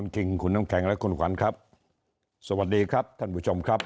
สวัสดีครับท่านผู้ชมครับ